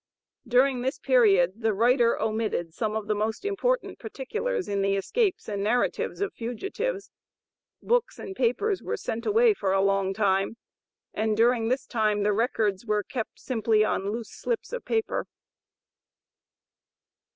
During this period, the writer omitted some of the most important particulars in the escapes and narratives of fugitives. Books and papers were sent away for a long time, and during this time the records were kept simply on loose slips of paper.